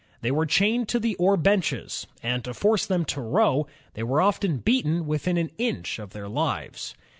They were chained to the oar benches, and to force them to row, they were often beaten within an inch of their lives.